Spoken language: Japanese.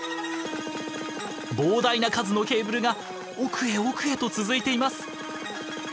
膨大な数のケーブルが奥へ奥へと続いています。